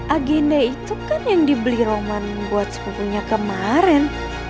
agenda itu kan yang dibeli roman buat sepupunya kemarin